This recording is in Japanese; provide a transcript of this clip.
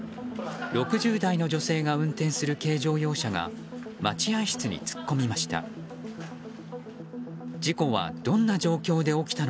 ６０代の女性が運転する軽乗用車が待合室に突っ込みました。